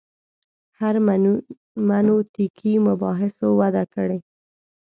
هرمنوتیکي مباحثو وده کړې.